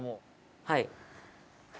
はい。